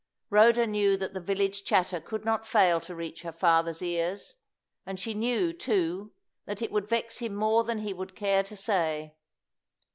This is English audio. Rhoda knew that the village chatter could not fail to reach her father's ears, and she knew, too, that it would vex him more than he would care to say.